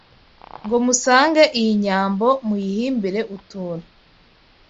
Ngo musange iyi nyambo Muyihimbire utuntu